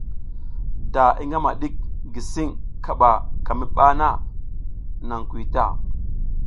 Da i ngama ɗik gisiƞ kaɓa ka mi ɓa na, naƞ kuy ta.